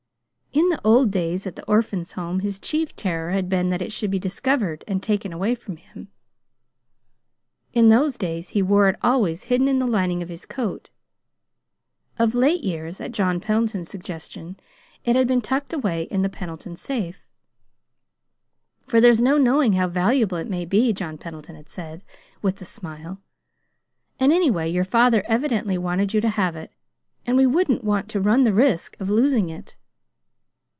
In the old days, at the Orphans' Home, his chief terror had been that it should be discovered and taken away from him. In those days he wore it always hidden in the lining of his coat. Of late years, at John Pendleton's suggestion, it had been tucked away in the Pendleton safe. "For there's no knowing how valuable it may be," John Pendleton had said, with a smile. "And, anyway, your father evidently wanted you to have it, and we wouldn't want to run the risk of losing it."